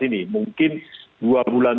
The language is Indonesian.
ini mungkin dua bulan